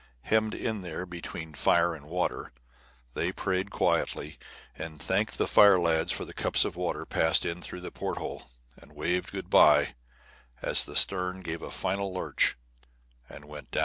Hemmed in there between fire and water, they prayed quietly, and thanked the fire lads for cups of water passed in through the port hole, and waved "good by" as the stern gave a final lurch and went down.